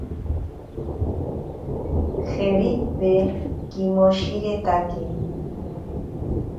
Jeripe kimoshiretake.